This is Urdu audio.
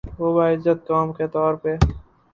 وہ باعزت قوم کے طور پہ